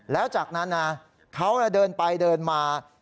แล้วจากนั้นนะเขาเดินไปเดินมา